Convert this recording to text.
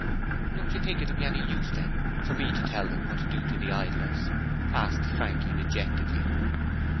'Don't you think it will be any use, then, for me to tell them what to do to the Idlers?' asked Frankie, dejectedly.